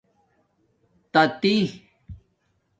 تاتی